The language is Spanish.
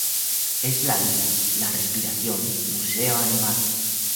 Es la vida, la respiración, museo animado.